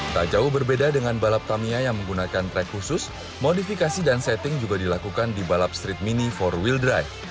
tak jauh berbeda dengan balap tamiya yang menggunakan track khusus modifikasi dan setting juga dilakukan di balap street mini empat will drive